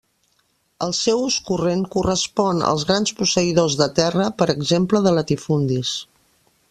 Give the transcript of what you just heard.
El seu ús corrent correspon als grans posseïdors de terra, per exemple de latifundis.